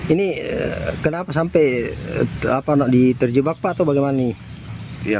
ini kenapa sampai terjebak pak atau bagaimana